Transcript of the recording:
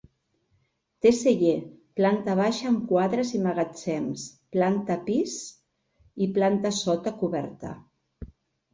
Té celler, planta baixa amb quadres i magatzems, planta pis i planta sota coberta.